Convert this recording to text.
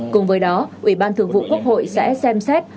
cùng với đó ủy ban thường vụ quốc hội sẽ xem xét